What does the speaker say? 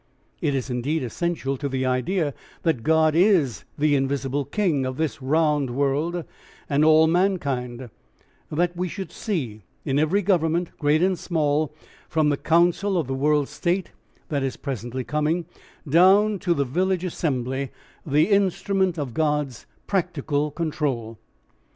It is indeed essential to the idea that God is the Invisible King of this round world and all mankind, that we should see in every government, great and small, from the council of the world state that is presently coming, down to the village assembly, the instrument of God's practical control.